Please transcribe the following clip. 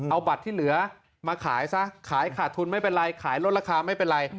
เอาบัตรที่เหลือมาขายซะขายขาดทุนไม่เป็นไรขายลดราคาไม่เป็นไร